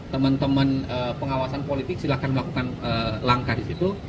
teman teman pengawasan politik silahkan melakukan langkah di situ